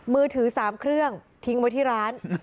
มือถือ๓เครื่องทิ้งไว้ที่ร้าน